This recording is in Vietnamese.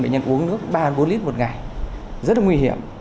bệnh nhân uống nước ba bốn lít một ngày rất là nguy hiểm